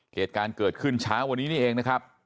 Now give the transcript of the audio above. เหตุการณ์เกิดขึ้นเช้าวันนี้นี่เองนะครับ